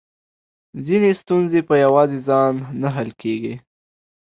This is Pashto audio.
ځينې ستونزې په يواځې ځان نه حل کېږي .